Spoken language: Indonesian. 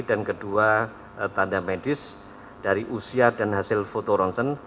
dan kedua tanda medis dari usia dan hasil foto ronsen